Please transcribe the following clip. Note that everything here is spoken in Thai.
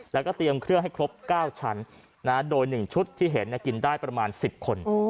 แล้วก็เตรียมเครื่องให้ครบ๙ชั้นโดย๑ชุดที่เห็นกินได้ประมาณ๑๐คน